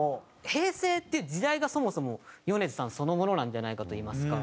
平成っていう時代がそもそも米津さんそのものなんじゃないかといいますか。